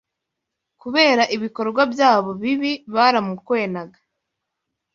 Kubera ibikorwa byabo bibi baramukwenaga